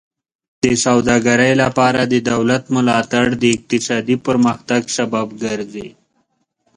د سوداګرۍ لپاره د دولت ملاتړ د اقتصادي پرمختګ سبب ګرځي.